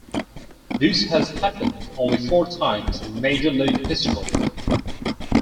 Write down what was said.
This has happened only four times in major-league history.